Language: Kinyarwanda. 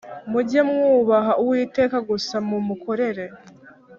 Mujye mwubaha Uwiteka gusa mumukorere